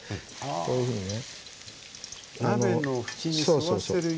こういうふうにね。